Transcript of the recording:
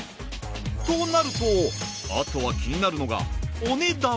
そうなるとあとは気になるのがお値段。